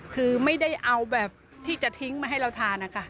คือไม่ได้เอาแบบที่จะทิ้งมาให้เราทานนะคะ